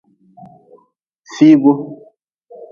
Figu.